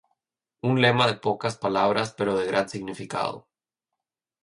Un lema de pocas palabras pero de gran significado.